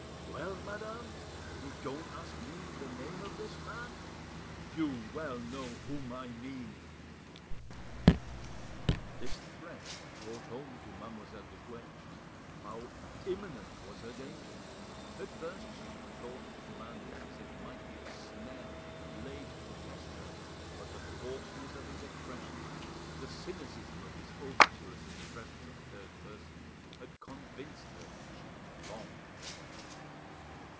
Well, madame, you don't ask me the name of this man! You well know whom I mean!" This threat brought home to Mademoiselle de Guerchi how imminent was her danger. At first she had thought the commander's visit might be a snare laid to test her, but the coarseness of his expressions, the cynicism of his overtures in the presence of a third person, had convinced her she was wrong.